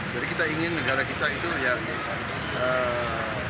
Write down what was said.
jadi kita ingin negara kita itu yang